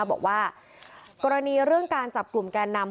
บอกว่ากรณีเรื่องการจับกลุ่มแกนนำ